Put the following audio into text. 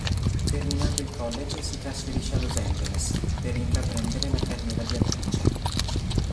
Terminato il college si trasferisce a Los Angeles per intraprendere la carriera di attrice.